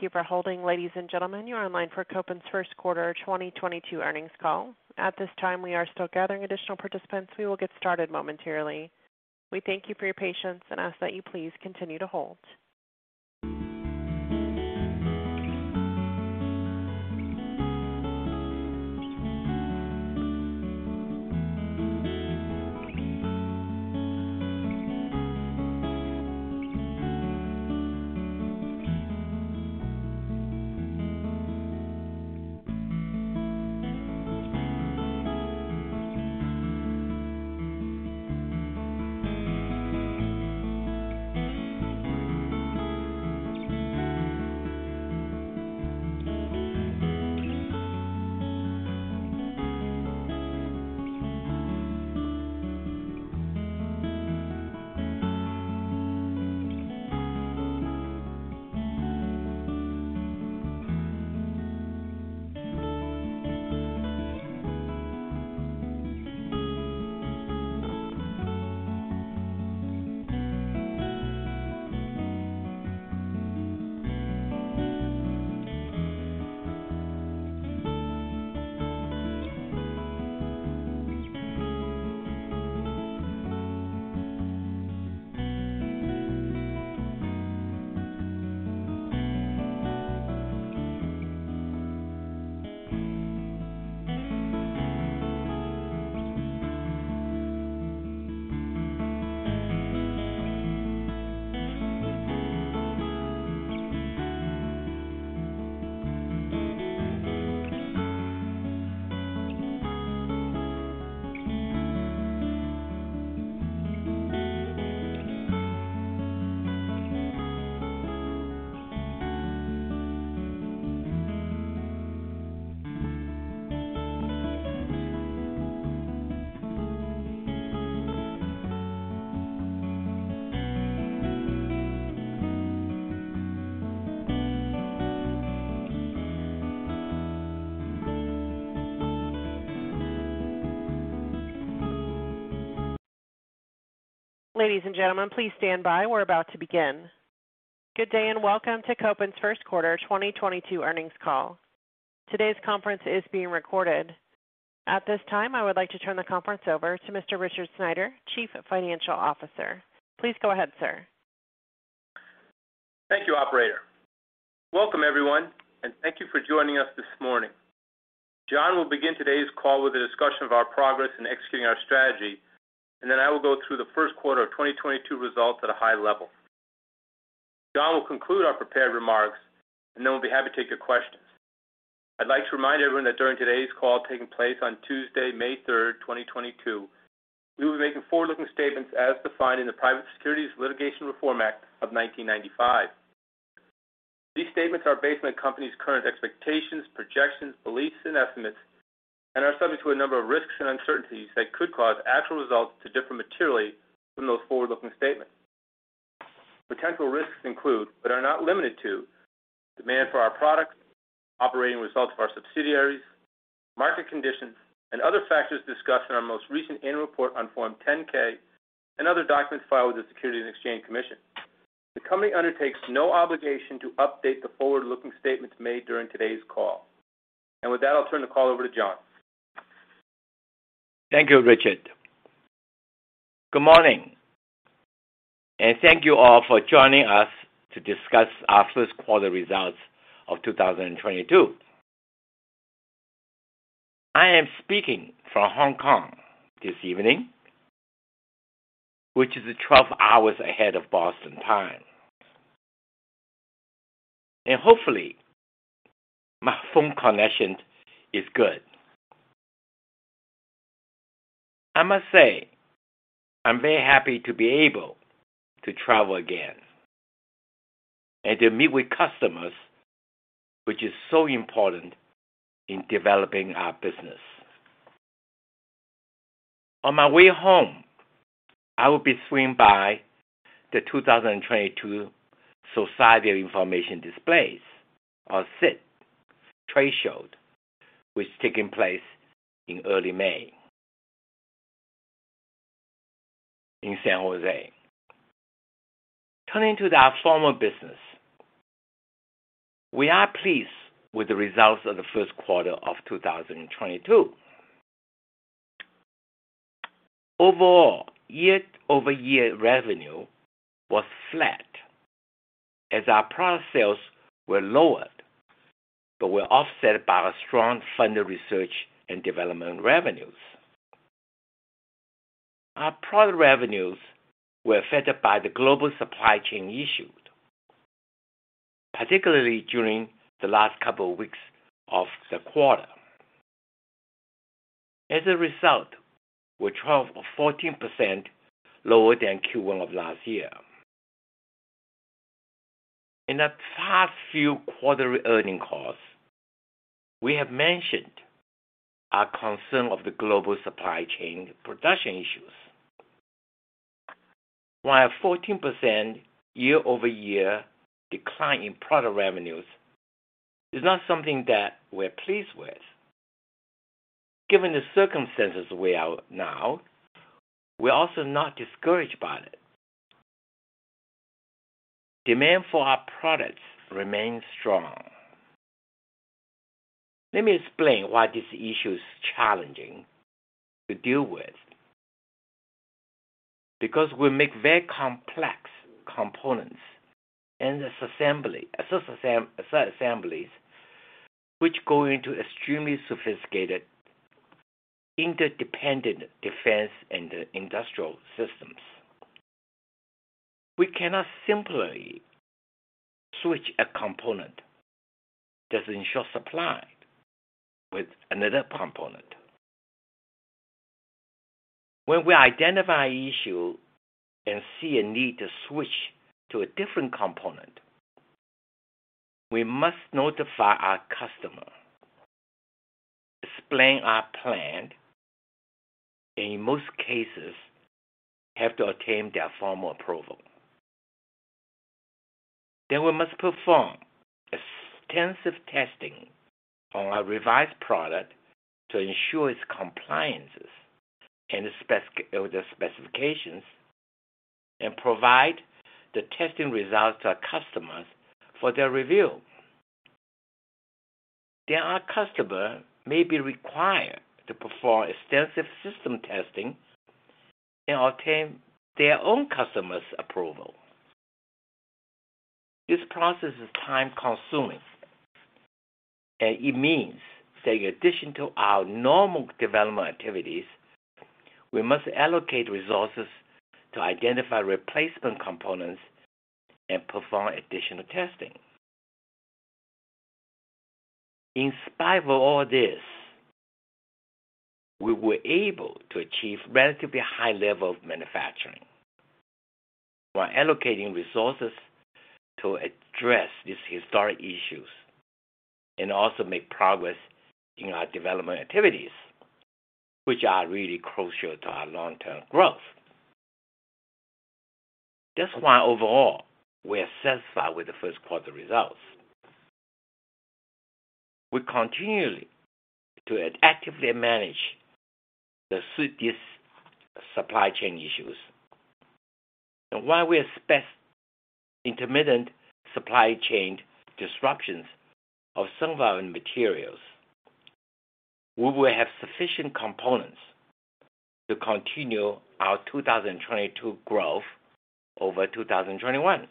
Thank you for holding, ladies and gentlemen. You are on the line for Kopin's first quarter 2022 earnings call. At this time, we are still gathering additional participants. We will get started momentarily. We thank you for your patience and ask that you please continue to hold. Ladies and gentlemen, please stand by. We're about to begin. Good day and welcome to Kopin's first quarter 2022 earnings call. Today's conference is being recorded. At this time, I would like to turn the conference over to Mr. Richard Sneider, Chief Financial Officer. Please go ahead, sir. Thank you, operator. Welcome, everyone, and thank you for joining us this morning. John will begin today's call with a discussion of our progress in executing our strategy, and then I will go through the first quarter of 2022 results at a high level. John will conclude our prepared remarks, and then we'll be happy to take your questions. I'd like to remind everyone that during today's call taking place on Tuesday, May 3, 2022, we will be making forward-looking statements as defined in the Private Securities Litigation Reform Act of 1995. These statements are based on the company's current expectations, projections, beliefs, and estimates and are subject to a number of risks and uncertainties that could cause actual results to differ materially from those forward-looking statements. Potential risks include, but are not limited to, demand for our products, operating results of our subsidiaries, market conditions, and other factors discussed in our most recent annual report on Form 10-K and other documents filed with the Securities and Exchange Commission. The company undertakes no obligation to update the forward-looking statements made during today's call. With that, I'll turn the call over to John. Thank you, Richard. Good morning, and thank you all for joining us to discuss our first quarter results of 2022. I am speaking from Hong Kong this evening, which is 12 hours ahead of Boston time. Hopefully my phone connection is good. I must say, I'm very happy to be able to travel again and to meet with customers, which is so important in developing our business. On my way home, I will be swinging by the 2022 Society for Information Display, or SID trade show, which is taking place in early May in San Jose. Turning to our formal business. We are pleased with the results of the first quarter of 2022. Overall, year-over-year revenue was flat as our product sales were lower, but were offset by our strong funded research and development revenues. Our product revenues were affected by the global supply chain issues, particularly during the last couple of weeks of the quarter. As a result, we're 12% or 14% lower than Q1 of last year. In the past few quarterly earnings calls, we have mentioned our concern of the global supply chain production issues. While 14% year-over-year decline in product revenues is not something that we're pleased with. Given the circumstances we are now, we're also not discouraged by it. Demand for our products remains strong. Let me explain why this issue is challenging to deal with. Because we make very complex components and assemblies which go into extremely sophisticated, interdependent defense and industrial systems. We cannot simply switch a component that ensures supply with another component. When we identify issue and see a need to switch to a different component, we must notify our customer, explain our plan, in most cases, have to obtain their formal approval. We must perform extensive testing on our revised product to ensure its compliance with the specifications and provide the testing results to our customers for their review. Our customer may be required to perform extensive system testing and obtain their own customer's approval. This process is time-consuming, and it means that in addition to our normal development activities, we must allocate resources to identify replacement components and perform additional testing. In spite of all this, we were able to achieve relatively high level of manufacturing while allocating resources to address these historic issues and also make progress in our development activities, which are really crucial to our long-term growth. That's why overall, we are satisfied with the first quarter results. We continue to actively manage the serious supply chain issues. While we expect intermittent supply chain disruptions of some of our materials, we will have sufficient components to continue our 2022 growth over 2021.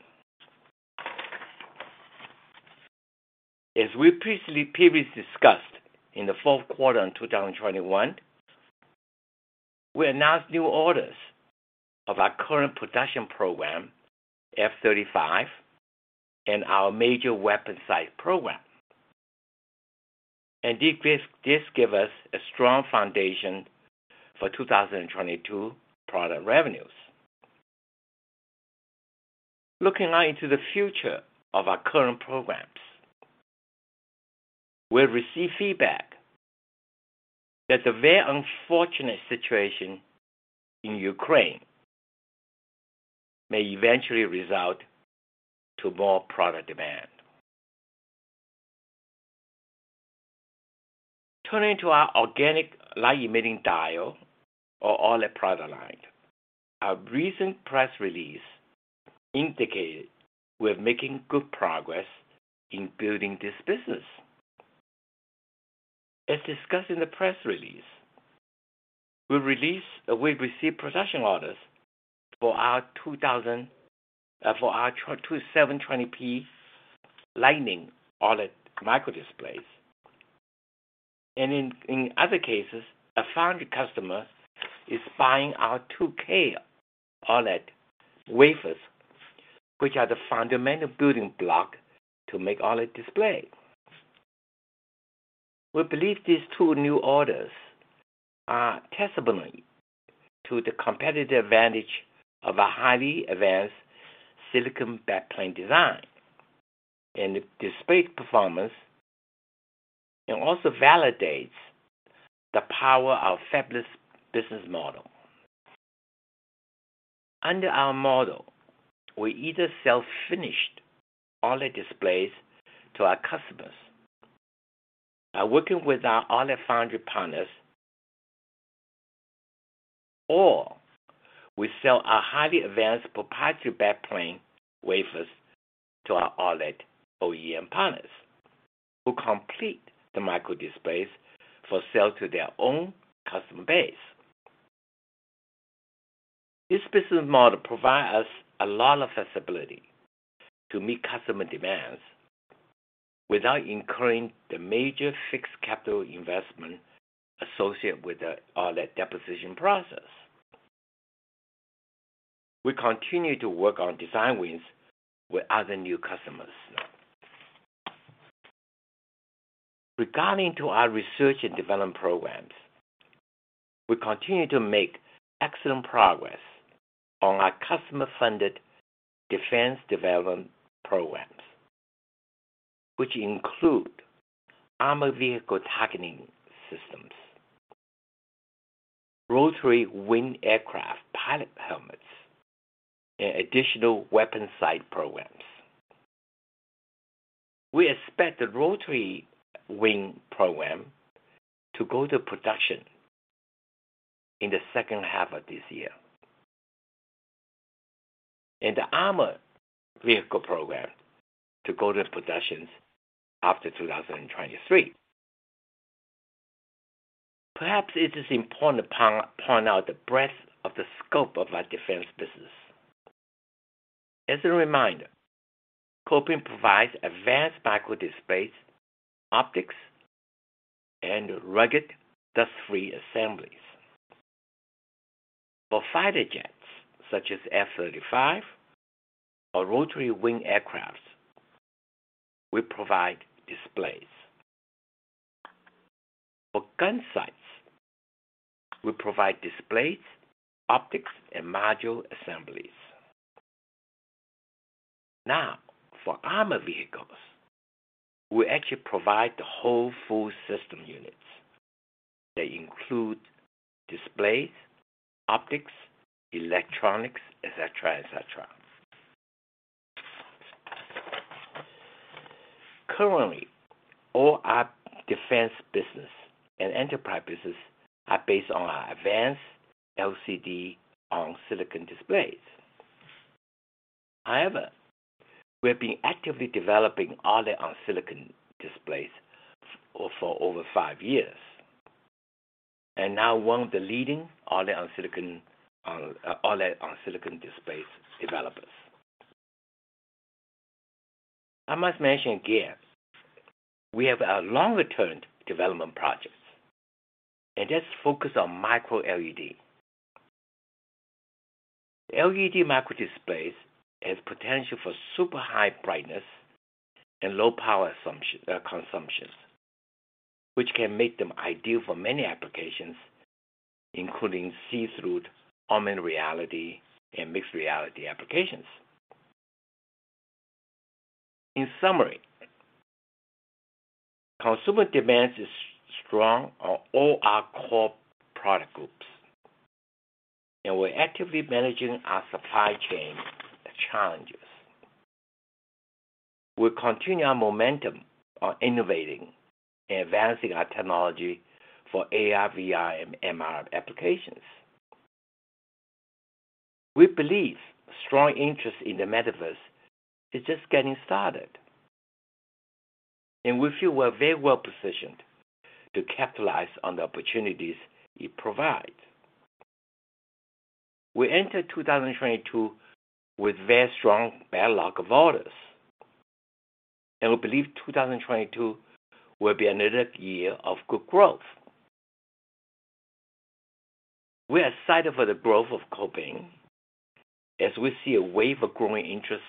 As we previously discussed in the fourth quarter in 2021, we announced new orders of our current production program, F-35, and our major weapon sight program. This gives us a strong foundation for 2022 product revenues. Looking out into the future of our current programs, we've received feedback that the very unfortunate situation in Ukraine may eventually result in more product demand. Turning to our organic light-emitting diode or OLED product line. Our recent press release indicated we're making good progress in building this business. As discussed in the press release, we received production orders for our 720p Lightning OLED microdisplays. In other cases, a foundry customer is buying our 2K OLED wafers, which are the fundamental building block to make OLED display. We believe these two new orders are testimony to the competitive advantage of a highly advanced silicon backplane design and display performance, and also validates the power of fabless business model. Under our model, we either sell finished OLED displays to our customers by working with our OLED foundry partners, or we sell our highly advanced proprietary backplane wafers to our OLED OEM partners who complete the microdisplays for sale to their own customer base. This business model provides us a lot of flexibility to meet customer demands without incurring the major fixed capital investment associated with the OLED deposition process. We continue to work on design wins with other new customers. Regarding our research and development programs, we continue to make excellent progress on our customer-funded defense development programs, which include armored vehicle targeting systems, rotary-wing aircraft pilot helmets, and additional weapon sight programs. We expect the rotary-wing program to go to production in the second half of this year, and the armored vehicle program to go to production after 2023. Perhaps it is important to point out the breadth of the scope of our defense business. As a reminder, Kopin provides advanced microdisplays, optics, and rugged dust-free assemblies. For fighter jets, such as F-35 or rotary-wing aircraft, we provide displays. For gun sights, we provide displays, optics, and module assemblies. Now, for armor vehicles, we actually provide the whole full system units. They include displays, optics, electronics, et cetera, et cetera. Currently, all our defense business and enterprise business are based on our advanced LCD on silicon displays. However, we have been actively developing OLED on silicon displays for over five years, and now one of the leading OLED on silicon displays developers. I must mention again, we have a longer-term development project, and that's focused on MicroLED. MicroLED micro displays has potential for super high brightness and low power consumptions, which can make them ideal for many applications, including see-through, augmented reality, and mixed reality applications. In summary, consumer demand is strong on all our core product groups, and we're actively managing our supply chain challenges. We continue our momentum on innovating and advancing our technology for AR, VR, and MR applications. We believe strong interest in the Metaverse is just getting started, and we feel we're very well-positioned to capitalize on the opportunities it provides. We entered 2022 with very strong backlog of orders, and we believe 2022 will be another year of good growth. We are excited for the growth of Kopin as we see a wave of growing interest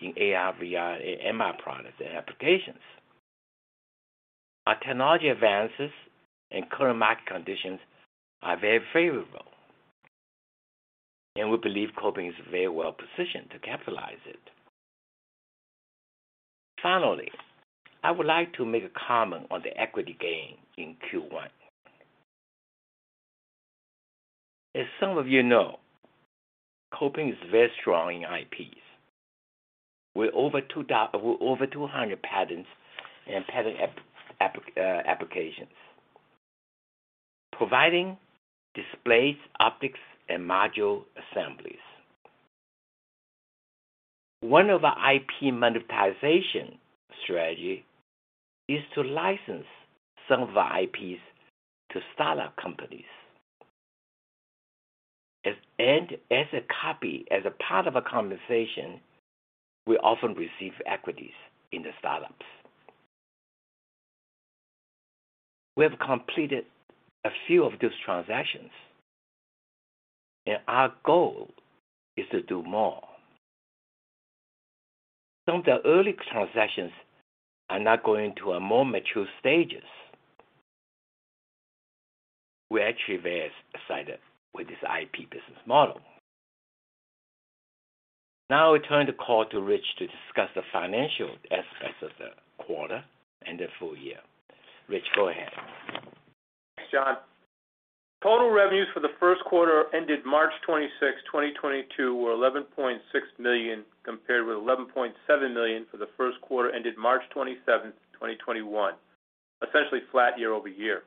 in AR, VR, and MR products and applications. Our technology advances and current market conditions are very favorable, and we believe Kopin is very well-positioned to capitalize on it. Finally, I would like to make a comment on the equity gain in Q1. As some of you know, Kopin is very strong in IPs. We're over 200 patents and patent applications, providing displays, optics, and module assemblies. One of our IP monetization strategy is to license some of our IPs to startup companies. As a courtesy, as a part of a conversation, we often receive equities in the startups. We have completed a few of those transactions, and our goal is to do more. Some of the early transactions are now going to a more mature stages. We're actually very excited with this IP business model. Now I turn the call to Rich to discuss the financial aspects of the quarter and the full year. Rich, go ahead. Thanks, John. Total revenues for the first quarter ended March 26, 2022 were $11.6 million, compared with $11.7 million for the first quarter ended March 27, 2021, essentially flat year-over-year.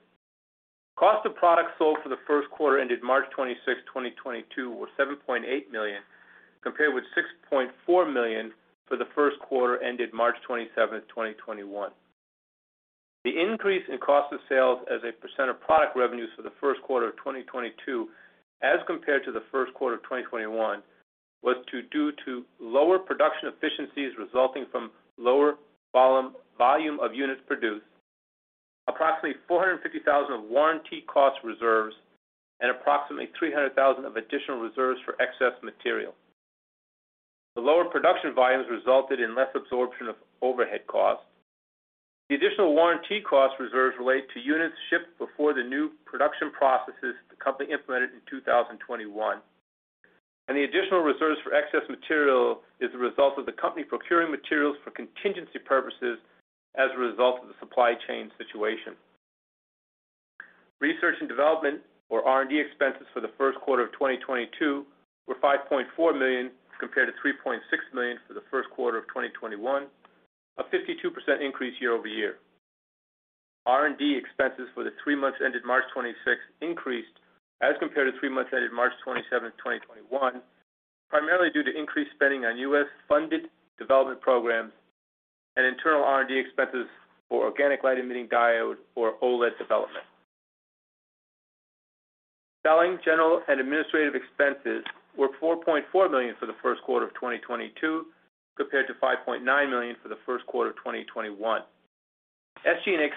Cost of products sold for the first quarter ended March 26, 2022 were $7.8 million, compared with $6.4 million for the first quarter ended March 27, 2021. The increase in cost of sales as a % of product revenues for the first quarter of 2022, as compared to the first quarter of 2021, was due to lower production efficiencies resulting from lower volume of units produced, approximately $450,000 of warranty cost reserves, and approximately $300,000 of additional reserves for excess material. The lower production volumes resulted in less absorption of overhead costs. The additional warranty cost reserves relate to units shipped before the new production processes the company implemented in 2021. The additional reserves for excess material is the result of the company procuring materials for contingency purposes as a result of the supply chain situation. Research and development or R&D expenses for the first quarter of 2022 were $5.4 million compared to $3.6 million for the first quarter of 2021. A 52% increase year-over-year. R&D expenses for the three months ended March 26 increased as compared to three months ended March 27, 2021, primarily due to increased spending on U.S. funded development programs and internal R&D expenses for organic light emitting diode, or OLED development. Selling, general and administrative expenses were $4.4 million for the first quarter of 2022, compared to $5.9 million for the first quarter of 2021. SG&A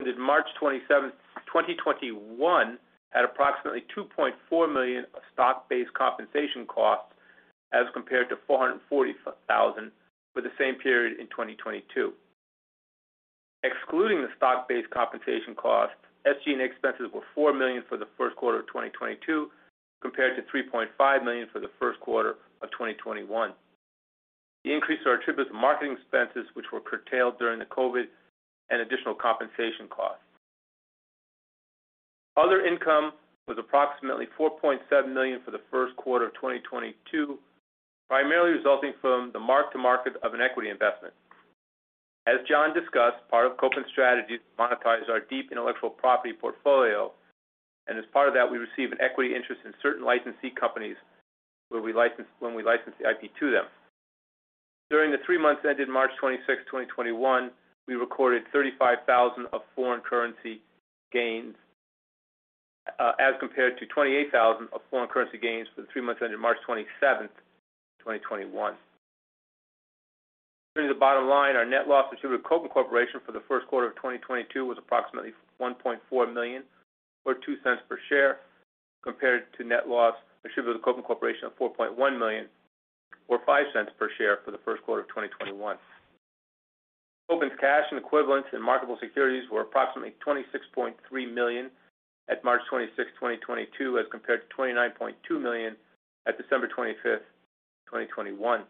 ended March 27, 2021 at approximately $2.4 million of stock-based compensation costs as compared to $440,000 for the same period in 2022. Excluding the stock-based compensation cost, SG&A expenses were $4 million for the first quarter of 2022, compared to $3.5 million for the first quarter of 2021. The increase are attributed to marketing expenses, which were curtailed during the COVID and additional compensation costs. Other income was approximately $4.7 million for the first quarter of 2022, primarily resulting from the mark to market of an equity investment. As John discussed, part of Kopin's strategy is to monetize our deep intellectual property portfolio, and as part of that, we receive an equity interest in certain licensee companies where we license the IP to them. During the three months ended March twenty-sixth, 2022, we recorded $35,000 of foreign currency gains, as compared to $28,000 of foreign currency gains for the three months ended March twenty-seventh, 2021. Turning to the bottom line, our net loss attributed to Kopin Corporation for the first quarter of 2022 was approximately $1.4 million or $0.02 per share, compared to net loss attributed to Kopin Corporation of $4.1 million or $0.05 per share for the first quarter of 2021. Kopin's cash and equivalents in marketable securities were approximately $26.3 million at March 26th, 2022, as compared to $29.2 million at December 25th, 2021.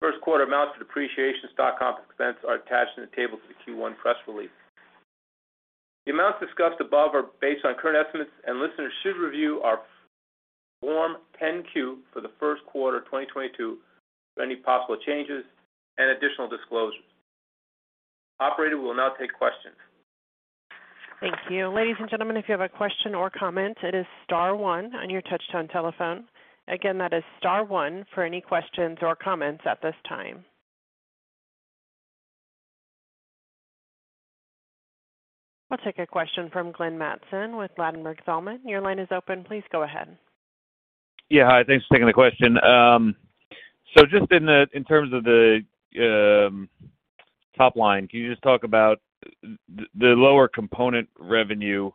First quarter amounts to depreciation, stock comp expense are attached in the table to the Q1 press release. The amounts discussed above are based on current estimates, and listeners should review our Form 10-Q for the first quarter of 2022 for any possible changes and additional disclosures. Operator, we'll now take questions. Thank you. Ladies and gentlemen, if you have a question or comment, it is star one on your touchtone telephone. Again, that is star one for any questions or comments at this time. I'll take a question from Glenn Mattson with Ladenburg Thalmann. Your line is open. Please go ahead. Yeah, hi. Thanks for taking the question. So just in terms of the top line, can you just talk about the lower component revenue?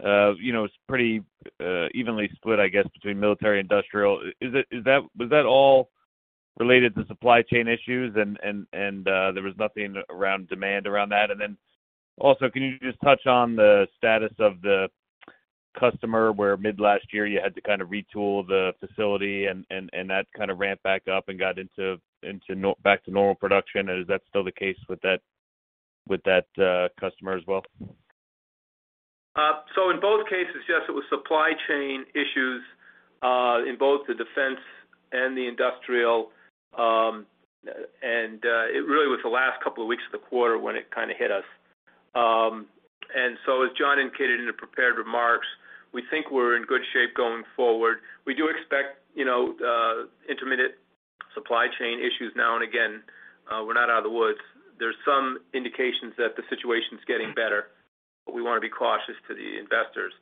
You know, it's pretty evenly split, I guess, between military industrial. Was that all related to supply chain issues and there was nothing around demand around that? Then also can you just touch on the status of the customer where mid last year you had to kind of retool the facility and that kind of ramped back up and got back to normal production. Is that still the case with that customer as well? In both cases, yes, it was supply chain issues in both the defense and the industrial. It really was the last couple of weeks of the quarter when it kind of hit us. As John indicated in the prepared remarks, we think we're in good shape going forward. We do expect, you know, intermittent supply chain issues now and again. We're not out of the woods. There's some indications that the situation's getting better, but we wanna be cautious to the investors.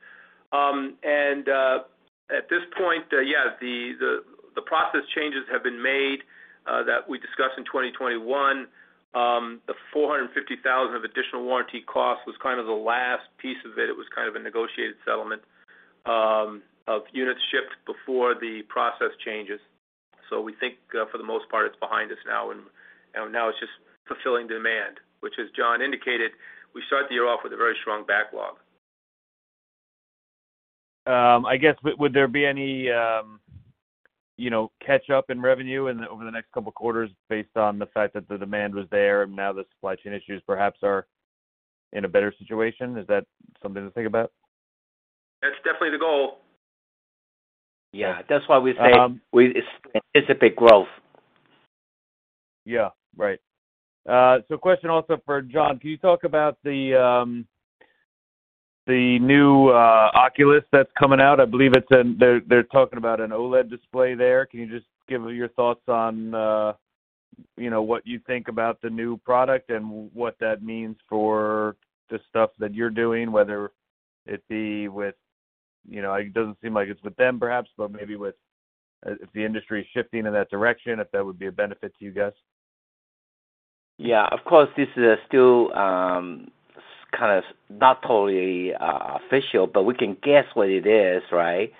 At this point, the process changes have been made that we discussed in 2021. The $450,000 of additional warranty costs was kind of the last piece of it. It was kind of a negotiated settlement of units shipped before the process changes. We think, for the most part, it's behind us now, and now it's just fulfilling demand, which as John indicated, we start the year off with a very strong backlog. I guess, would there be any, you know, catch up in revenue over the next couple quarters based on the fact that the demand was there and now the supply chain issues perhaps are in a better situation? Is that something to think about? That's definitely the goal. Yeah. That's why we say. Um- We anticipate growth. Yeah. Right. Question also for John. Can you talk about the new Oculus that's coming out? I believe They're talking about an OLED display there. Can you just give your thoughts on, you know, what you think about the new product and what that means for the stuff that you're doing, whether it be with, you know. It doesn't seem like it's with them perhaps, but maybe with, if the industry is shifting in that direction, if that would be a benefit to you guys. Yeah, of course, this is still kinda not totally official, but we can guess what it is, right?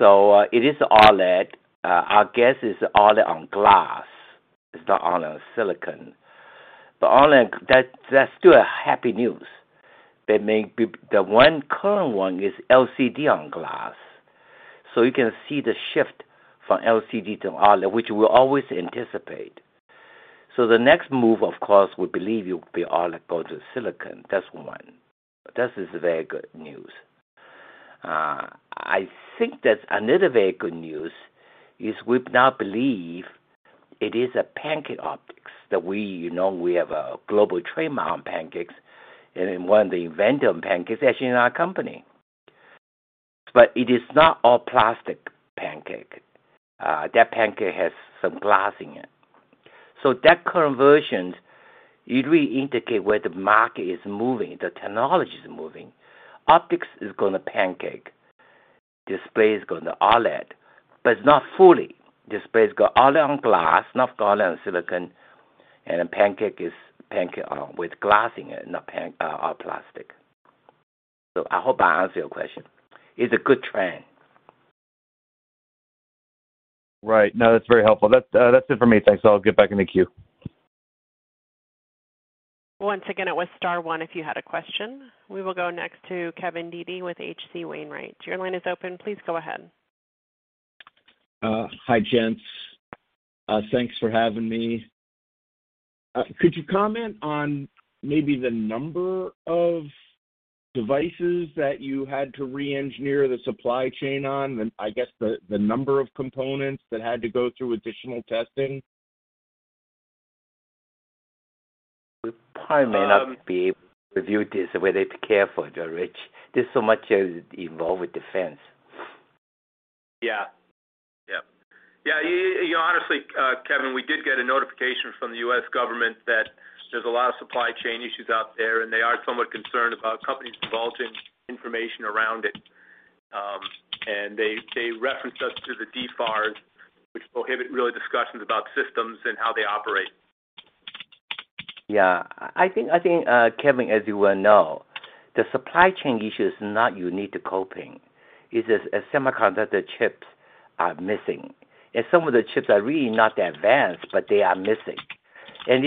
It is OLED. Our guess is OLED on glass. It's not OLED on Silicon. OLED, that's still happy news. The one current one is LCD on glass. You can see the shift from LCD to OLED, which we always anticipate. The next move, of course, we believe it will be all about the silicon. That's one. That is very good news. I think that another very good news is we now believe it is a Pancake optics that we, you know, we have a global trademark on Pancake, and one of the inventor of Pancake is actually in our company. It is not all plastic pancake. That pancake has some glass in it. That conversion, it really indicate where the market is moving, the technology is moving. Optics is going to Pancake. Display is going to OLED, but it's not fully. Display has got OLED on glass, not OLED on silicon, and a Pancake is Pancake, with glass in it, not all plastic. I hope I answered your question. It's a good trend. Right. No, that's very helpful. That's it for me. Thanks. I'll get back in the queue. Once again, it was star one if you had a question. We will go next to Kevin Dede with H.C. Wainwright & Co. Your line is open. Please go ahead. Hi, gents. Thanks for having me. Could you comment on maybe the number of devices that you had to re-engineer the supply chain on and, I guess, the number of components that had to go through additional testing? We probably may not be able to reveal this. We have to be careful, Rich. There's so much involved with defense. You know, honestly, Kevin, we did get a notification from the U.S. government that there's a lot of supply chain issues out there, and they are somewhat concerned about companies divulging information around it. They referenced us to the DFARS, which prohibit really discussions about systems and how they operate. Yeah. I think, Kevin, as you well know, the supply chain issue is not unique to Kopin. It's just that semiconductor chips are missing, and some of the chips are really not that advanced, but they are missing. In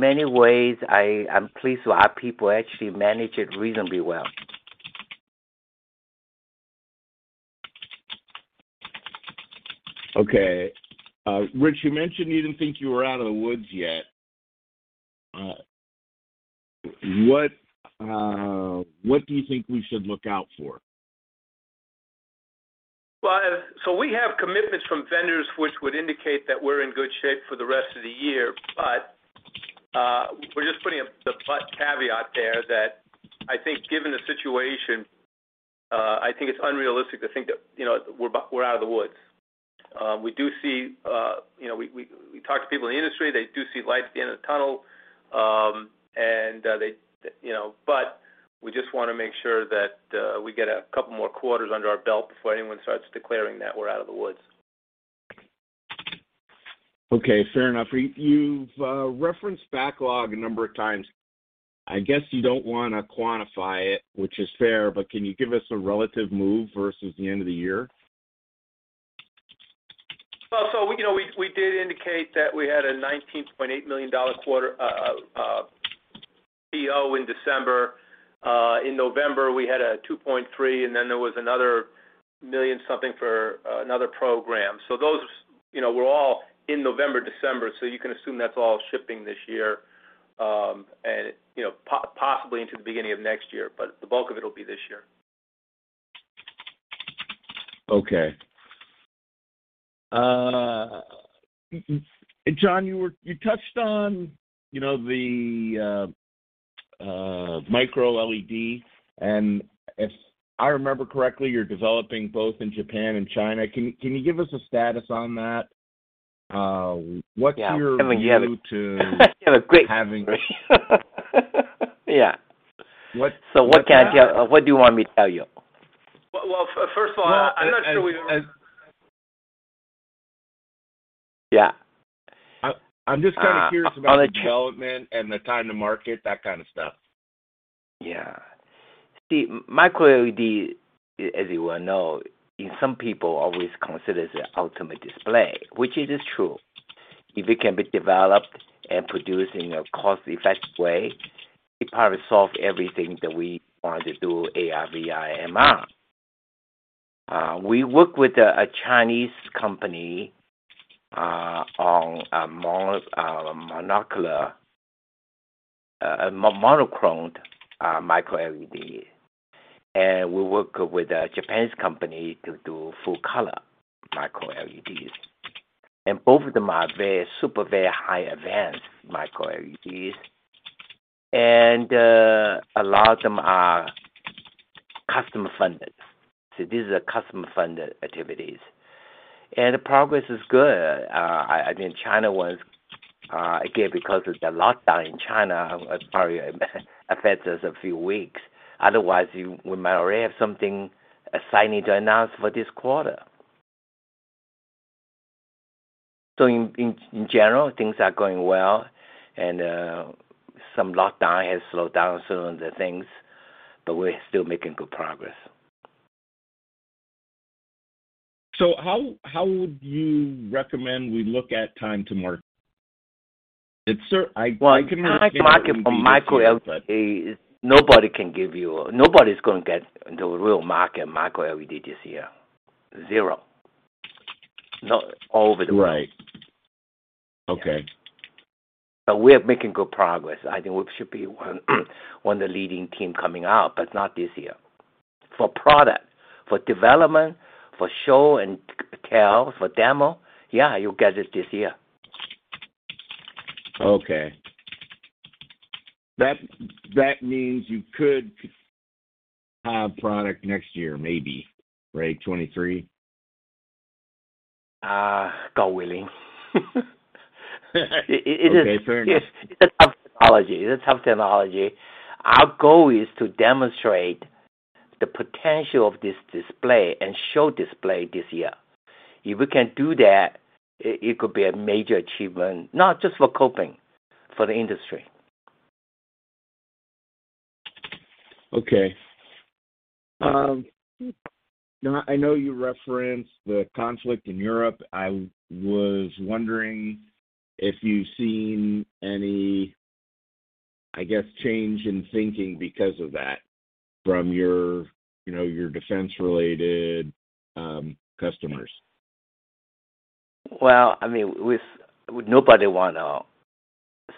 many ways, I'm pleased our people actually manage it reasonably well. Okay. Rich, you mentioned you didn't think you were out of the woods yet. What do you think we should look out for? We have commitments from vendors which would indicate that we're in good shape for the rest of the year. We're just putting up the but caveat there that I think given the situation, I think it's unrealistic to think that, you know, we're out of the woods. We do see, you know, we talk to people in the industry, they do see light at the end of the tunnel, and they, you know, but we just wanna make sure that we get a couple more quarters under our belt before anyone starts declaring that we're out of the woods. Okay, fair enough. You've referenced backlog a number of times. I guess you don't wanna quantify it, which is fair, but can you give us a relative move versus the end of the year? Well, you know, we did indicate that we had a $19.8 million quarter, PO in December. In November, we had a $2.3 million, and then there was another $1 million something for another program. Those, you know, were all in November, December, so you can assume that's all shipping this year, and, you know, possibly into the beginning of next year, but the bulk of it will be this year. Okay. John, you touched on, you know, the MicroLED. If I remember correctly, you're developing both in Japan and China. Can you give us a status on that? What's your view to- You have a great question. Yeah. What's happening? What can I tell? What do you want me to tell you? Well, first of all, I'm not sure we Well, yeah. I'm just kinda curious about the development and the time to market, that kind of stuff. Yeah. See, MicroLED, as you well know, some people always consider the ultimate display, which it is true. If it can be developed and produced in a cost-effective way, it probably solve everything that we want to do AR, VR, MR. We work with a Chinese company on a monochrome MicroLED. We work with a Japanese company to do full-color MicroLEDs. Both of them are very super high advanced MicroLEDs, and a lot of them are customer funded. These are customer funded activities. The progress is good. I think China was again because of the lockdown in China probably affects us a few weeks. Otherwise, we might already have something exciting to announce for this quarter. In general, things are going well and some lockdown has slowed down some of the things, but we're still making good progress. How would you recommend we look at time to market? Yes, sir, I couldn't understand what you just said. Well, current market for MicroLED is nobody's gonna get the real market MicroLED this year. Zero. Not all over the world. Right. Okay. We are making good progress. I think we should be one of the leading team coming out, but not this year. For product, for development, for show and tell, for demo, yeah, you'll get it this year. Okay. That means you could have product next year, maybe, right? 2023. God willing. Okay, fair enough. It's a tough technology. Our goal is to demonstrate the potential of this display and show display this year. If we can do that, it could be a major achievement, not just for Kopin, for the industry. Okay. Now I know you referenced the conflict in Europe. I was wondering if you've seen any, I guess, change in thinking because of that from your, you know, your defense-related customers. Well, I mean, nobody wanna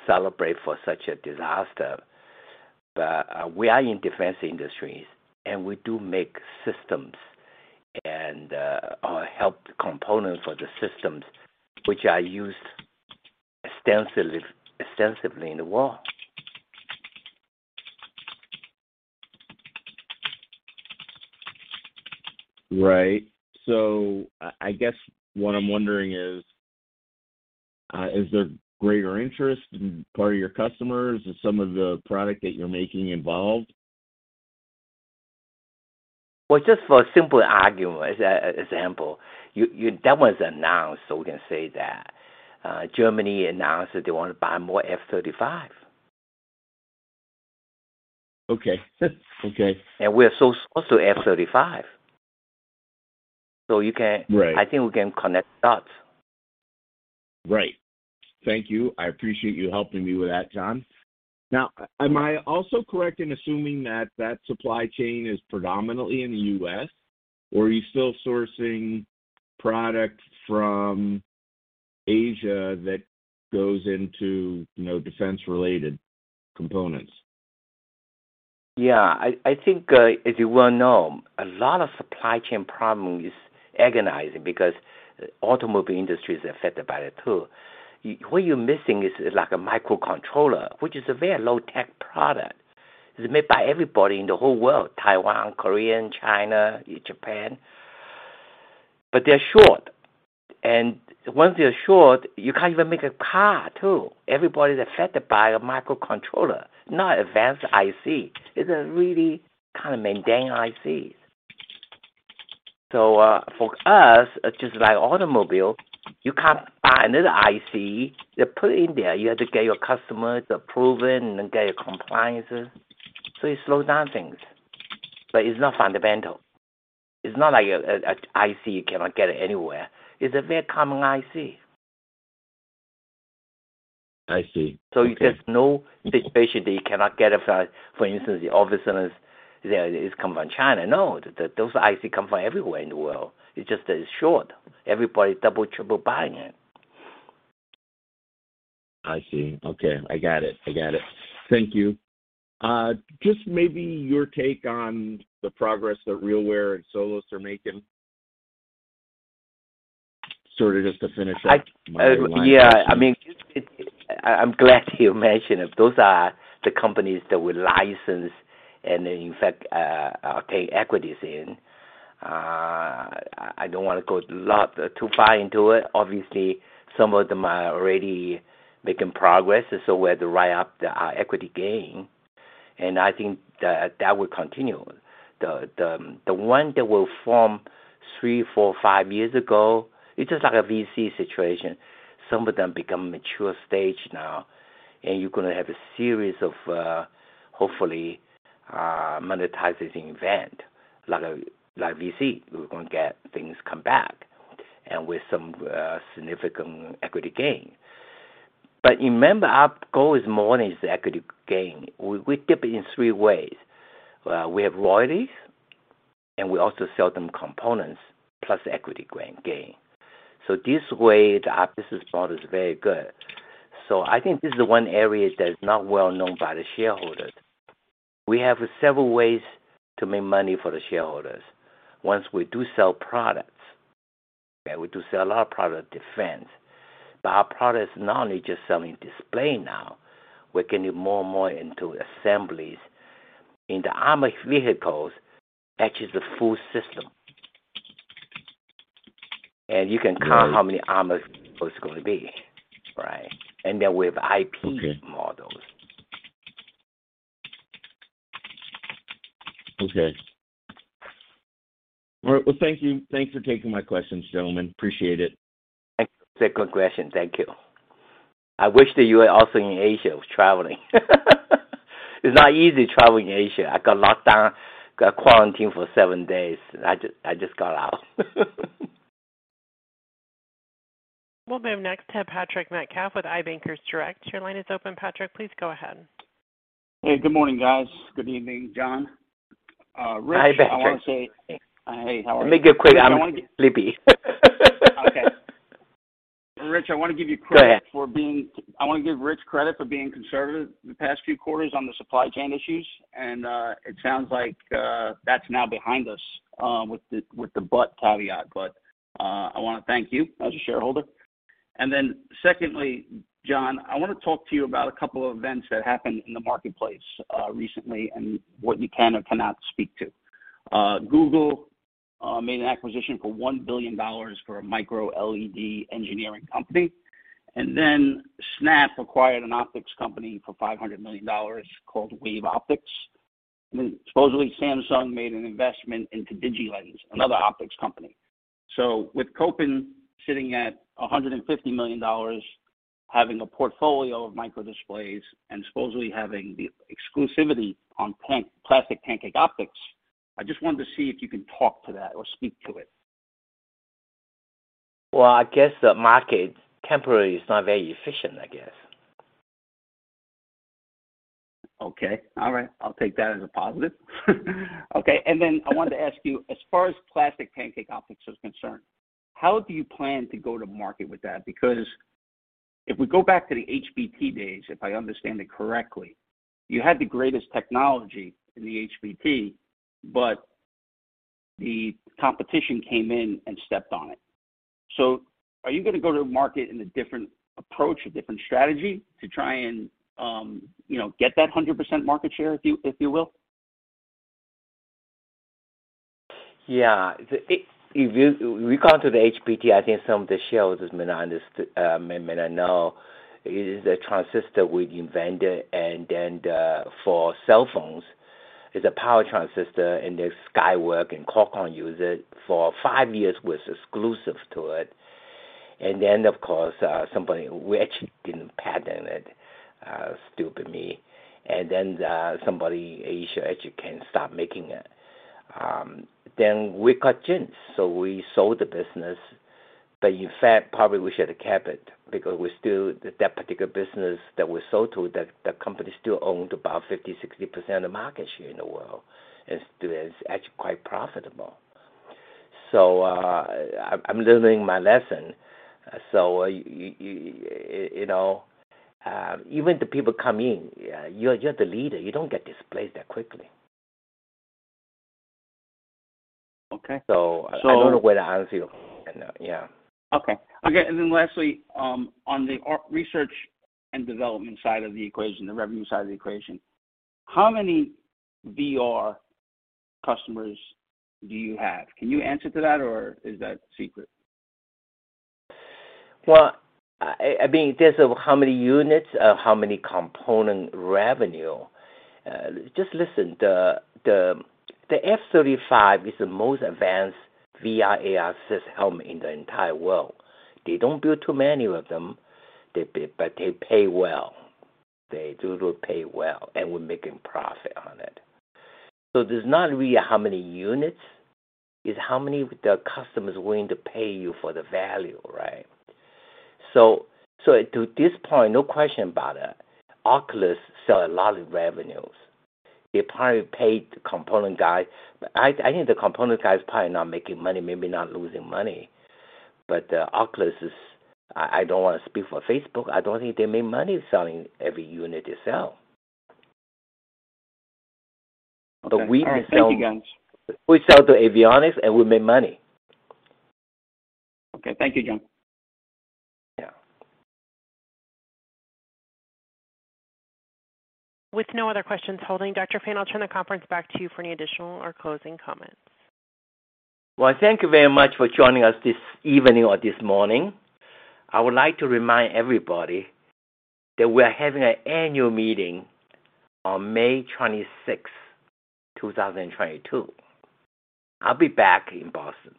celebrate for such a disaster, but we are in defense industries, and we do make systems and or help the components for the systems which are used extensively in the war. Right. I guess what I'm wondering is there greater interest on the part of your customers in some of the products that you're making? Well, just for simple argument, as an example, that was announced, so we can say that, Germany announced that they want to buy more F-35s. Okay. Okay. We are so close to F-35. You can. Right. I think we can connect dots. Right. Thank you. I appreciate you helping me with that, John. Now, am I also correct in assuming that that supply chain is predominantly in the U.S., or are you still sourcing product from Asia that goes into, you know, defense-related components? Yeah. I think, as you well know, a lot of supply chain problem is agonizing because automobile industry is affected by it too. What you're missing is like a microcontroller, which is a very low-tech product. It's made by everybody in the whole world, Taiwan, Korea, China, Japan. But they're short. Once they're short, you can't even make a car too. Everybody's affected by a microcontroller, not advanced IC. It's a really kind of mundane IC. So, for us, just like automobile, you can't find another IC to put in there. You have to get your customers to approve it and then get your compliances. So it slows down things. But it's not fundamental. It's not like a IC you cannot get it anywhere. It's a very common IC. I see. Okay. There's no situation that you cannot get if, for instance, all of a sudden it comes from China. No. Those ICs come from everywhere in the world. It's just that it's short. Everybody double, triple buying it. I see. Okay. I got it. Thank you. Just maybe your take on the progress that RealWear and Solos are making, sort of just to finish up my line of questions. Yeah. I mean, I'm glad you mentioned it. Those are the companies that we license and then in fact take equities in. I don't wanna go lot too far into it. Obviously, some of them are already making progress, and so we have to write up the equity gain, and I think that that will continue. The one that were formed three, four, five years ago, it's just like a VC situation. Some of them become mature stage now, and you're gonna have a series of hopefully monetizing event, like a like VC. We're gonna get things come back and with some significant equity gain. But remember, our goal is more than just the equity gain. We get paid in three ways. We have royalties, and we also sell them components plus equity gain. This way, our business model is very good. I think this is the one area that is not well known by the shareholders. We have several ways to make money for the shareholders. Once we do sell products, we do sell a lot of defense products, but our product is not only just selling displays now. We're getting more and more into assemblies. In the armored vehicles, that is a full system. You can count how many armored vehicles are gonna be, right? Then with IP. Okay. -models. Okay. Well, thank you. Thanks for taking my questions, gentlemen. Appreciate it. Thank you. It's a good question. Thank you. I wish that you were also in Asia. I was traveling. It's not easy traveling Asia. I got locked down, got quarantined for seven days. I just got out. We'll move next to Patrick Metcalf with IVANKERS Direct. Your line is open, Patrick. Please go ahead. Hey, good morning, guys. Good evening, John. Rich, I wanna say. Hi, Patrick. Hey, how are you? Let me get quick. I'm sleepy. Okay. Rich, I wanna give you credit. Go ahead. I wanna give Rich credit for being conservative the past few quarters on the supply chain issues and it sounds like that's now behind us with the but caveat. I wanna thank you as a shareholder. Then secondly, John, I wanna talk to you about a couple of events that happened in the marketplace recently and what you can or cannot speak to. Google made an acquisition for $1 billion for a MicroLED engineering company, and then Snap acquired an optics company for $500 million called WaveOptics. Supposedly, Samsung made an investment into DigiLens, another optics company. with Kopin sitting at $150 million, having a portfolio of microdisplays and supposedly having the exclusivity on all-plastic pancake optics, I just wanted to see if you can talk to that or speak to it. Well, I guess the market temporarily is not very efficient, I guess. Okay. All right. I'll take that as a positive. Okay. I wanted to ask you, as far as plastic Pancake optics is concerned, how do you plan to go to market with that? Because if we go back to the HBT days, if I understand it correctly, you had the greatest technology in the HBT, but the competition came in and stepped on it. Are you gonna go to market in a different approach, a different strategy to try and, you know, get that 100% market share, if you will? If you recall the HBT, I think some of the shareholders may not know. It is a transistor we invented and then for cell phones. It's a power transistor, and then Skyworks and Qualcomm use it for five years was exclusive to it. Of course, we actually didn't patent it, stupid me. Then, somebody in Asia actually can start making it. Then we got JDSU, so we sold the business. In fact, probably we should have kept it because that particular business that we sold to, the company still owned about 50%-60% of market share in the world. It's actually quite profitable. I'm learning my lesson. You know, even the people come in, you're the leader, you don't get displaced that quickly. Okay. I don't know whether how to feel. Yeah. Lastly, on the research and development side of the equation, the revenue side of the equation, how many VR customers do you have? Can you answer to that or is that secret? I mean, in terms of how many units, how many component revenue. Just listen, the F-35 is the most advanced VR AR system helmet in the entire world. They don't build too many of them. They pay well. They do pay well, and we're making profit on it. It's not really how many units, it's how many of the customers willing to pay you for the value, right? To this point, no question about it, Oculus sell a lot of revenues. They probably paid the component guy. I think the component guy is probably not making money, maybe not losing money. Oculus is. I don't wanna speak for Facebook. I don't think they make money selling every unit they sell. We sell. All right. Thank you, John. We sell to avionics, and we make money. Okay. Thank you, John. Yeah. With no other questions holding, Dr. Fan, I'll turn the conference back to you for any additional or closing comments. Well, thank you very much for joining us this evening or this morning. I would like to remind everybody that we are having an annual meeting on May 26, 2022. I'll be back in Boston.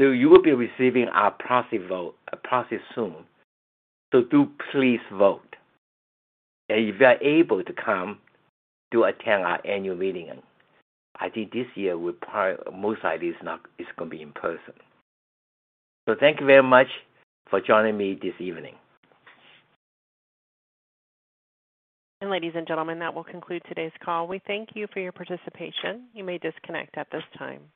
You will be receiving our proxy soon. Do please vote. If you are able to come, do attend our annual meeting. I think this year it's most likely gonna be in person. Thank you very much for joining me this evening. Ladies and gentlemen, that will conclude today's call. We thank you for your participation. You may disconnect at this time.